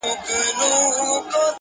هغه ورځ په واک کي زما زړه نه وي~